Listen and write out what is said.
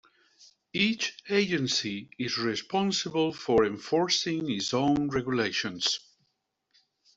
Each agency is responsible for enforcing its own regulations.